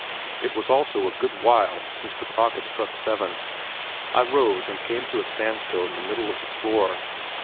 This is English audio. It was also a good while since the clock has struck seven. I rose and came to a standstill in the middle of the floor.